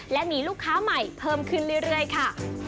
และมีลูกค้าใหม่เพิ่มขึ้นเรื่อยค่ะ